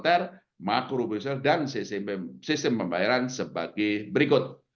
kebijakan moneter makro bisnis dan sistem pembayaran sebagai berikut